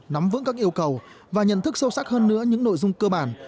nắm vững các yêu cầu và nhận thức sâu sắc hơn nữa những nội dung cơ bản